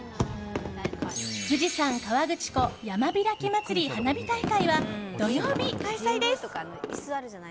富士山・河口湖山開きまつり花火大会は土曜日開催です。